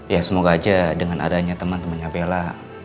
ya semoga aja dengan adanya temen temennya bella